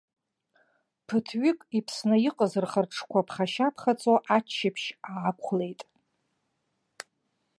Ԥыҭҩык, иԥсны иҟаз рхы-рҿқәа ԥхашьа-ԥхаҵо аччаԥшь аақәлеит.